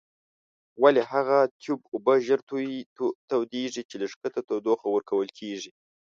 ولې هغه تیوب اوبه ژر تودیږي چې له ښکته تودوخه ورکول کیږي؟